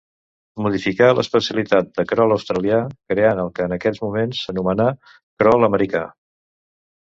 Modificà l'especialitat del crol australià creant el que en aquells moments s'anomenà crol americà.